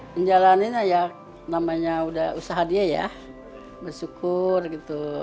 menjalani ini ya namanya usaha dia ya bersyukur gitu